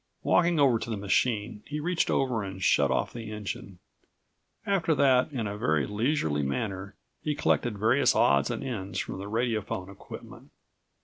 Walking over to the machine, he reached over and shut off the engine. After that, in a very leisurely manner he collected various odds and ends from the radiophone equipment.